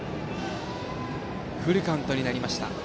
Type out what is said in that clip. フルカウントになりました。